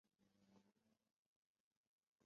要搭市铁转巴士